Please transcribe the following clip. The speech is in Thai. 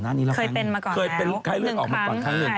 หน้านี้ละครั้งนี้เคยเป็นไข้เลือดออกมาก่อนข้างเลือด